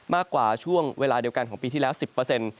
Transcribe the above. มากกว่าช่วงเวลาเดียวกันของปีที่แล้ว๑๐เปอร์เซ็นต์